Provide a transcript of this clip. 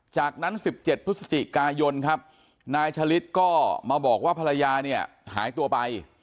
จากนั้น๑๗พฤศจิกายนครับนายชะลิดก็มาบอกว่าภรรยาเนี่ยหายตัวไป